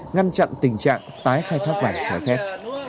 ngăn chặn tình trạng tái khai thác vàng trái phép